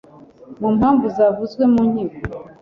mu mpamvu zavuzwe mu nkiko